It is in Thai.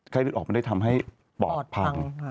เลือดออกมันได้ทำให้ปอดพัง